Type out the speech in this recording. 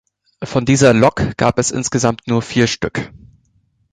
Von dieser Lok gab es insgesamt nur vier Stück.